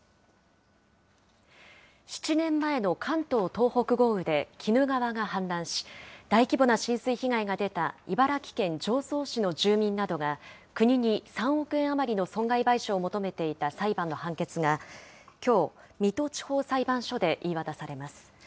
７年前の関東・東北豪雨で鬼怒川が氾濫し、大規模な浸水被害が出た茨城県常総市の住民などが、国に３億円余りの損害賠償を求めていた裁判の判決がきょう、水戸地方裁判所で言い渡されます。